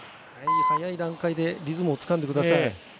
早い段階でリズムをつかんでください。